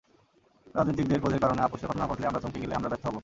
রাজনীতিকদের ক্রোধের কারণে আপসের ঘটনা ঘটলে, আমরা থমকে গেলে, আমরা ব্যর্থ হব।